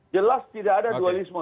jelas tidak ada dualisme